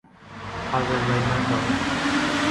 آذربائیجان کا وقت